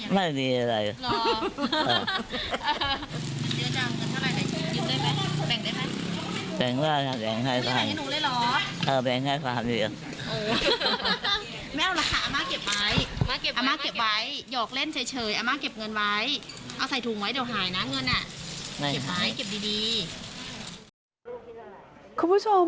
แล้วมีอะไรดีอำมาตย์มีอะไรดีหรือ